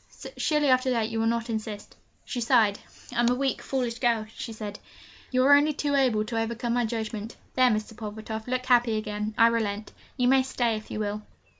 Surely, after that, you will not insist!' She sighed. 'I am a weak, foolish girl,' she said; 'you are only too able to overcome my judgment. There, Mr. Pulvertoft, look happy again I relent. You may stay if you will!'